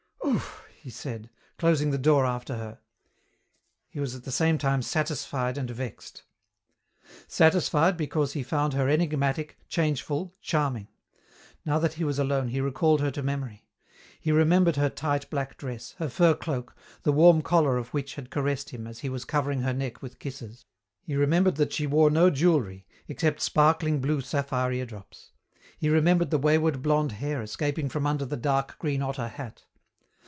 "Oof!" he said, closing the door after her. He was at the same time satisfied and vexed. Satisfied, because he found her enigmatic, changeful, charming. Now that he was alone he recalled her to memory. He remembered her tight black dress, her fur cloak, the warm collar of which had caressed him as he was covering her neck with kisses. He remembered that she wore no jewellery, except sparkling blue sapphire eardrops. He remembered the wayward blonde hair escaping from under the dark green otter hat.